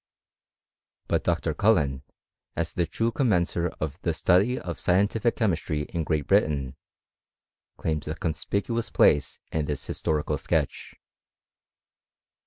But Dr. Cullen, as the true commencer of the study of scientific chemistry in Great Britain, claims a conspi cuous place in this historical sketch.